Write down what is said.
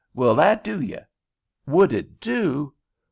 Will that do ye?" Would it do!